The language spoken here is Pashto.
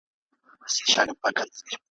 چي شېبې مي د رندانو ویښولې `